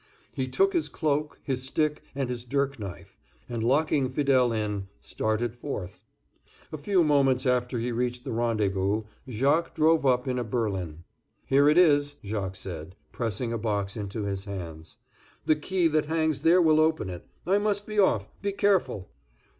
He took his cloak, his stick, and a dirk knife, and locking Fidele in, started forth. A few moments after he reached the rendezvous, Jacques drove up in a berlin. "Here it is," Jacques said, pressing a box into his hands, "the key that hangs there will open it. I must be off. Be careful!"